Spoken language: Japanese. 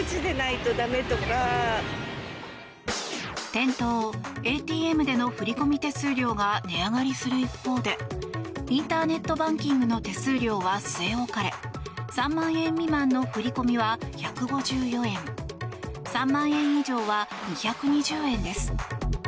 店頭、ＡＴＭでの振込手数料が値上がりする一方でインターネットバンキングの手数料は据え置かれ３万円未満の振り込みは１５４円３万円以上は２２０円です。